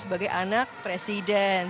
sebagai anak presiden